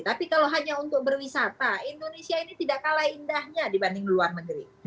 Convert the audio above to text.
tapi kalau hanya untuk berwisata indonesia ini tidak kalah indahnya dibanding luar negeri